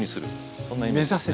そんなイメージですね。